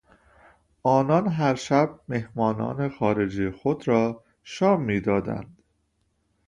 آنان هر شب مهمانان خارجی خود را شام میدادند.